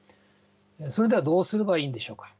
それではどうすればいいんでしょうか？